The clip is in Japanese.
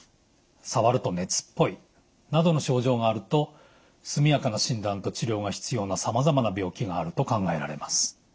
触ると熱っぽいなどの症状があると速やかな診断と治療が必要なさまざまな病気があると考えられます。